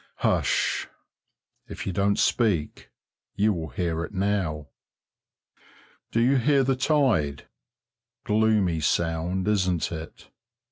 Hush! if you don't speak you will hear it now.... Do you hear the tide? Gloomy sound, isn't it?